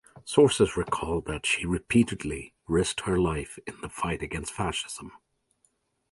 Sources recall that she repeatedly risked her life in the fight against fascism.